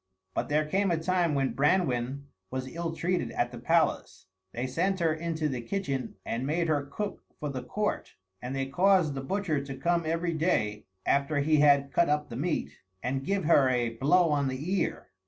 But there came a time when Branwen was ill treated at the palace; they sent her into the kitchen and made her cook for the court, and they caused the butcher to come every day (after he had cut up the meat) and give her a blow on the ear.